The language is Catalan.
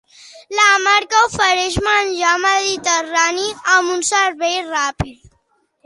La marca ofereix menjar mediterrani amb un servei ràpid.